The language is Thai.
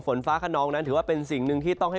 ฝนฟ้าขนองนั้นถือว่าเป็นสิ่งหนึ่งที่ต้องให้